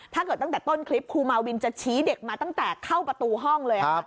ตั้งแต่ต้นคลิปครูมาวินจะชี้เด็กมาตั้งแต่เข้าประตูห้องเลย